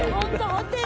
ホテル。